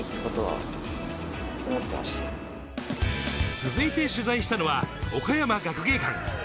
続いて取材したのは岡山学芸館。